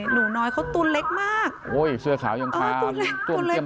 หลูน้อยเค้าตูนเล็กมากเสื้อขายังขาบอ๋อตูนเล็ก